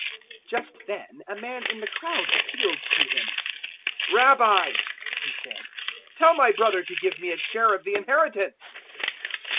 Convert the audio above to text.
012:013 Just then a man in the crowd appealed to Him. "Rabbi," he said, "tell my brother to give me a share of the inheritance."